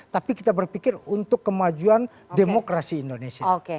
tapi kita berpikir untuk kemajuan demokrasi indonesia